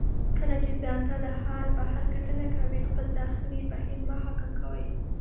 کله چې ځان ته له بهر کتنه کوئ، خپل داخلي بهیر مه حاکم کوئ.